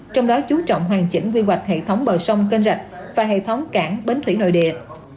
trong đó chú trọng hoàn chỉnh quy hoạch hệ thống bờ sông kênh rạch và hệ thống cảng bến thủy nội địa